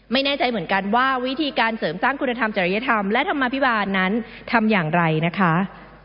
ไม่แน่ใจเหมือนกันว่าวิธีการเสริมสร้างคุณธรรมจริยธรรมและธรรมภิบาลนั้นทำอย่างไรนะคะ